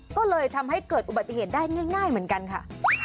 ก็เลยทำให้เกิดอุบัติเหตุได้ง่ายเหมือนกันค่ะ